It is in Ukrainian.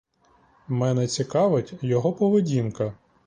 Мене цікавить його поведінка.